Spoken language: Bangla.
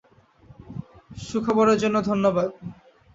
সুখবরের জন্য ধন্যবাদ।